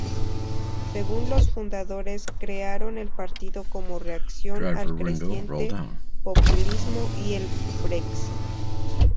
Según los fundadores, crearon el partido como reacción al creciente populismo y el Brexit.